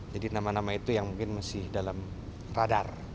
nama nama itu yang mungkin masih dalam radar